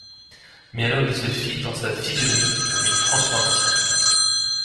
Mais alors il se fit dans sa physionomie comme une transformation